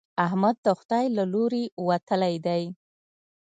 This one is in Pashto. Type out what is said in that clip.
احمد د خدای له لارې وتلی دی.